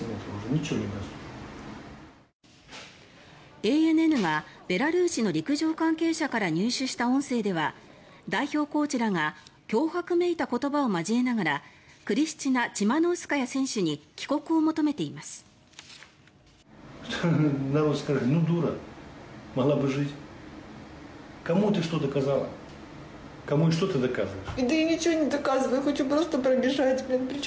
ＡＮＮがベラルーシの陸上関係者から入手した音声では代表コーチらが脅迫めいた言葉を交えながらクリスチナ・チマノウスカヤ選手に帰国を求めています。